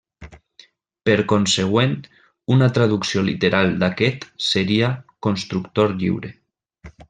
Per consegüent, una traducció literal d'aquest seria 'constructor lliure'.